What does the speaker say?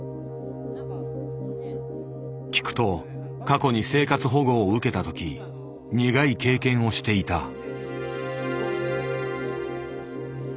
聞くと過去に生活保護を受けた時苦い経験をしていた。